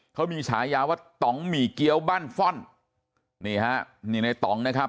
เขามีฉายาว่าต่องหมี่เกี้ยวบ้านฟ่อนนี่ฮะนี่ในต่องนะครับ